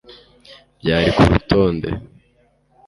byari kurutonde